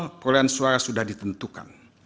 sejak awal problean suara sudah ditentukan